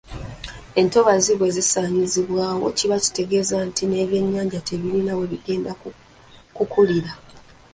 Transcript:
Entobazi bwe zisaanyizibwawo kiba kitegeeza nti n’ebyennyanja tebirina we bigenda kukulira.